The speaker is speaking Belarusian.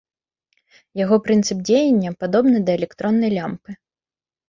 Яго прынцып дзеяння падобны да электроннай лямпы.